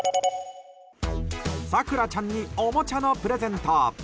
さくらちゃんにおもちゃのプレゼント。